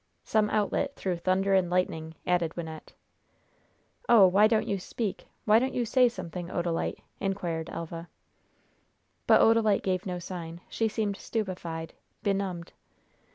"'Some outlet through thunder and lightning,'" added Wynnette. "Oh, why don't you speak? Why don't you say something, Odalite?" inquired Elva. But Odalite gave no sign. She seemed stupefied, benumbed.